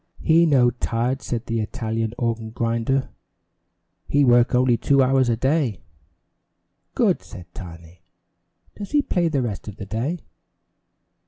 "He no tired," said the Italian organ grinder. "He work only two hours a day." "Good!" said Tiny. "Does he play the rest of the day?"